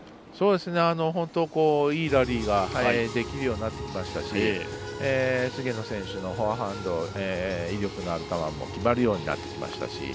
本当、いいラリーができるようになってきましたし菅野選手のフォアハンドが威力のある球も決まるようになってきましたし。